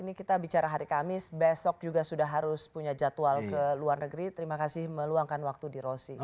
ini kita bicara hari kamis besok juga sudah harus punya jadwal ke luar negeri terima kasih meluangkan waktu di rosing